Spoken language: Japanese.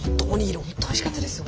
本当おいしかったです。